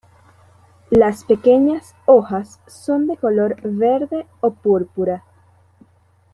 Las pequeñas hojas son de color verde o púrpura.